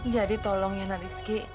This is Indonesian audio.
jadi tolong ya rizky